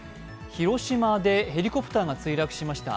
広島でヘリコプターが墜落しました。